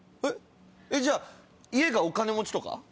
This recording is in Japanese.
じゃあ家がお金持ちとか？